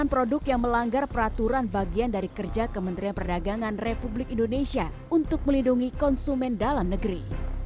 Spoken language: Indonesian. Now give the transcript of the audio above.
dan juga untuk melanggar peraturan bagian dari kerja kementerian perdagangan republik indonesia untuk melindungi konsumen dalam negeri